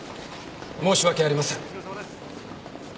申し訳ありません。